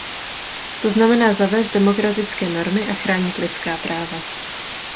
To znamená zavést demokratické normy a chránit lidská práva.